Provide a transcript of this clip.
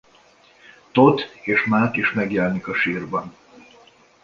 Thot és Maat is megjelenik a sírban.